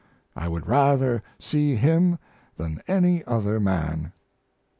I would rather see him than any other man.